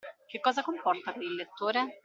Che cosa comporta per il lettore?